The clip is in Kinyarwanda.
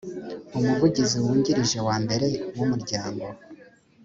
umuvugizi wungirije wa mbere w umuryango